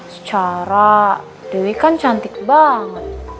secara dewi kan cantik banget